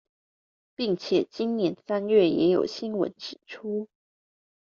並且今年三月也有新聞指出